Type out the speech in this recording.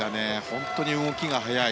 本当に動きが速い。